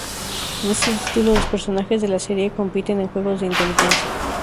En este título, los personajes de la serie compiten en juegos de inteligencia.